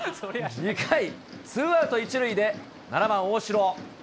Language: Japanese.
２回、ツーアウト１塁で７番大城。